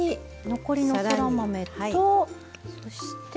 残りのそら豆とそして。